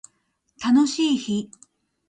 楽しい日